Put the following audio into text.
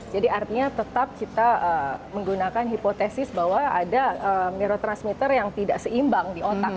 jadi artinya tetap kita menggunakan hipotesis bahwa ada neurotransmitter yang tidak seimbang di otak